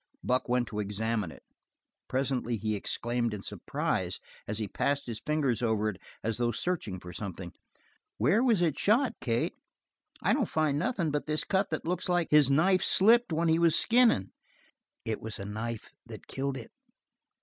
Buck went to examine it. Presently he exclaimed in surprise and he passed his fingers over it as though searching for something. "Where was it shot, Kate? I don't find nothin' but this cut that looks like his knife slipped when he was skinnin'." "It was a knife that killed it."